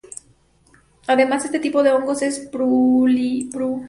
Además, este tipo de hongos es pluricelulares.